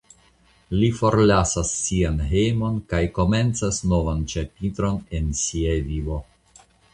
Li forlasas sian hejmon kaj komencas novan ĉapitron en sia vivo.